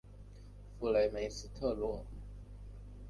弗雷梅斯特罗。